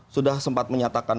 sudah sempat menyatakan